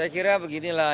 saya kira beginilah